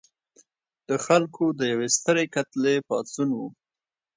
د خلکو د یوې سترې کتلې پاڅون و.